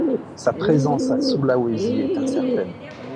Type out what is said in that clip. Sa présence à Sulawesi est incertaine.